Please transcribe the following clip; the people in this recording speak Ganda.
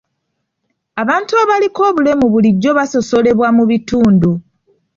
Abantu abaliko obulemu bulijjo basosolebwa mu bitundu.